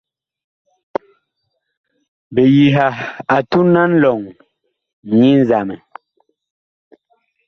Biyiha a tun a nlɔŋ nyi nzamɛ.